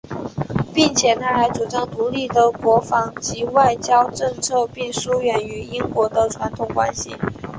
并且他还主张独立的国防及外交政策并疏远与英国的传统关系。